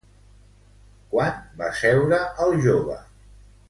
Quan va seure el jove?